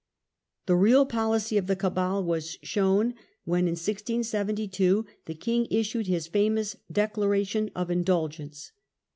The real policy of the Cabal was shown when in 1672 the king issued his famous Declaration of Indulgence.